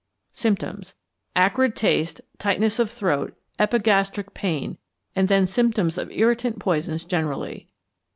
Symptoms. Acrid taste, tightness of throat, epigastric pain, and then symptoms of irritant poisons generally.